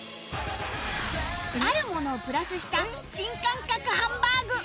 あるものをプラスした新感覚ハンバーグ